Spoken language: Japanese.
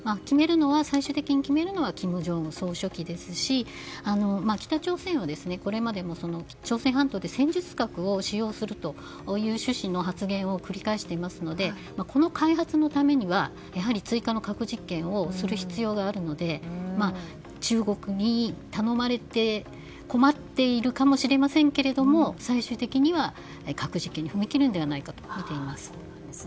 最終的に決めるのは金正恩総書記ですし北朝鮮はこれまでも朝鮮半島で戦術核を使用するという趣旨の発言を繰り返していますのでこの開発のためには追加の核実験をする必要があるので中国に頼まれて困っているかもしれませんけど最終的には核実験に踏み切るのではとみています。